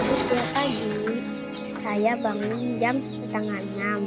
setiap pagi saya bangun jam setengah enam